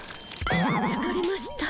つかれました。